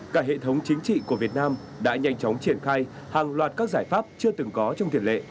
cả hệ thống chính trị của việt nam đã nhanh chóng triển khai hàng loạt các giải pháp chưa từng có trong tiền lệ